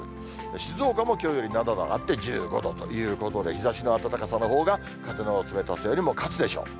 静岡もきょうより７度上がって１５度ということで、日ざしの暖かさのほうが、風の冷たさよりも勝つでしょう。